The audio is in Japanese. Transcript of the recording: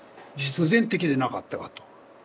必然的でなかったかと。